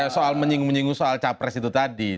soal menyingu menyingu soal capres itu tadi